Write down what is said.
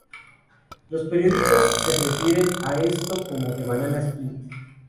Los periódicos se refieren a esto como "The Banana Split".